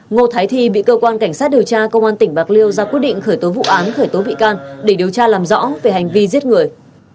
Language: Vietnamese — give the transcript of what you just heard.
ngô thái thi bị cơ quan cảnh sát điều tra công an tỉnh bạc liêu ra quyết định khởi tố vụ án khởi tố bị can để điều tra làm rõ về hành vi giết người